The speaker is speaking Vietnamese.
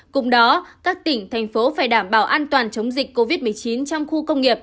cùng đó các tỉnh thành phố phải đảm bảo an toàn chống dịch covid một mươi chín trong khu công nghiệp